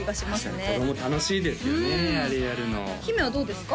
確かに子供楽しいですよねあれやるの姫はどうですか？